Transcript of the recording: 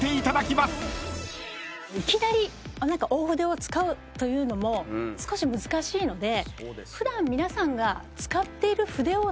いきなり大筆を使うというのも少し難しいので。